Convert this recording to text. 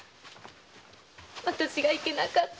私がいけなかった。